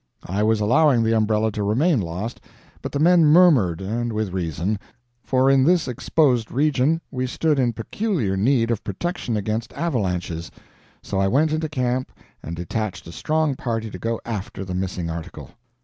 I was allowing the umbrella to remain lost, but the men murmured, and with reason, for in this exposed region we stood in peculiar need of protection against avalanches; so I went into camp and detached a strong party to go after the missing article.